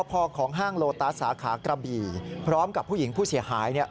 พอของห้างโลตัสสาขากระบี่พร้อมกับผู้หญิงผู้เสียหายเนี่ย